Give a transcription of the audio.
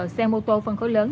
xe mô tô phân khối lớn